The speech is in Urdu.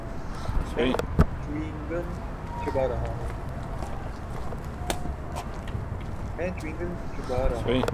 میں چیوینگ گم چبا رہا ہوں۔